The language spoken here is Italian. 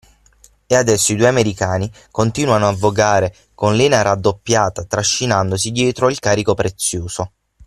E adesso i due americani continuano a vogare con lena raddoppiata, trascinandosi dietro il carico prezioso.